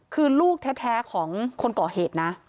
คือลูกแท้ของคนก่อเหตุนะ